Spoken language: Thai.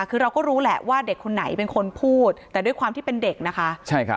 คือเราก็รู้แหละว่าเด็กคนไหนเป็นคนพูดแต่ด้วยความที่เป็นเด็กนะคะ